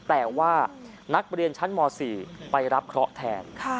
แต่ว่านักเรียนชั้นม๔ไปรับเคราะห์แทน